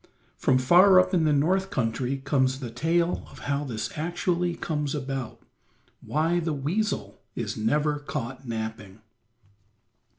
From far up in the North country comes the tale of how this actually comes about; why the weasel is never caught napping.